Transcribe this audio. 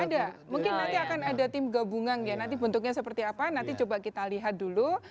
ada mungkin nanti akan ada tim gabungan ya nanti bentuknya seperti apa nanti coba kita lihat dulu